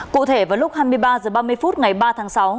cụ thể vào lúc hai mươi ba h ba mươi phút ngày ba tháng sáu